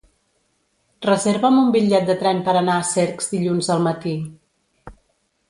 Reserva'm un bitllet de tren per anar a Cercs dilluns al matí.